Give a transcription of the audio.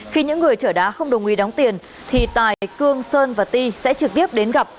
khi những người chở đá không đồng ý đóng tiền thì tài cương sơn và ti sẽ trực tiếp đến gặp